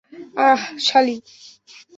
আহ, সালি!